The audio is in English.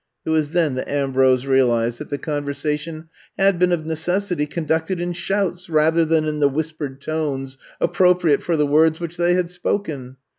It was then that Ambrose realized that the conversation had been of necessity con ducted in shouts rather than in the whis pered tones appropriate for the words which they had spoken.